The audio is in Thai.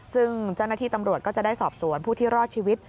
ซึ่งเจ้าหน้าที่ตำรวจก็จะได้สอบสวนผู้ที่รอดชีวิต